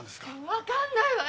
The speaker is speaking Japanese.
分かんないわよ！